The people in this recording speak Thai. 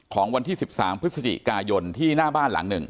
ของวันที่๑๓พฤศจิกายนที่หน้าบ้านหลังหนึ่ง